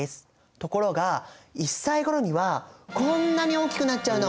ところが１歳ごろにはこんなに大きくなっちゃうの！